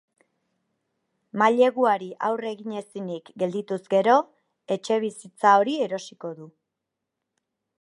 Maileguari aurre egin ezinik geldituz gero, etxebizitza hori erosiko du.